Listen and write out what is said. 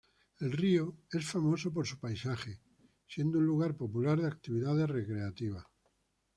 El río es famoso por su paisaje, siendo un lugar popular de actividades recreativas.